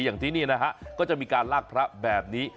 อย่างที่นี่นะฮะก็จะมีการลากพระแบบนี้